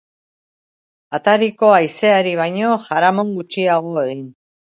Atariko haizeari baino jaramon gutxiago egin.